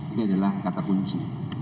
ini adalah kata kunci